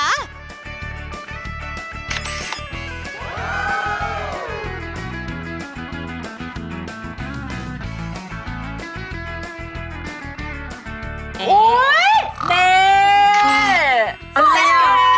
โห้ย